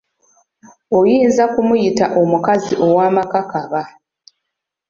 Oyinza kumuyita omukazi ow'amakakaba.